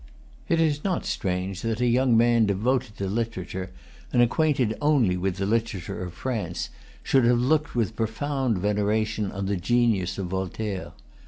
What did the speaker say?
It is not strange that a young man devoted to literature, and acquainted only with the literature of France, should have looked with profound veneration on the genius of Voltaire.